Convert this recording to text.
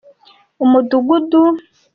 umudugudu.